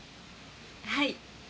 はい。